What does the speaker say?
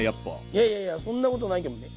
いやいやいやそんなことないけどね。